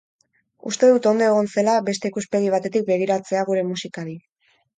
Uste dut ondo egon zela beste ikuspegi batetik begiratzea gure musikari.